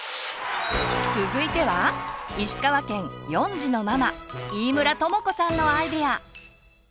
続いては石川県４児のママ飯村友子さんのアイデア！